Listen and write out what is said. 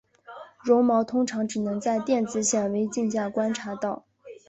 线毛通常只能在电子显微镜下观察到。